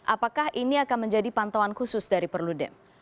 apakah ini akan menjadi pantauan khusus dari perludem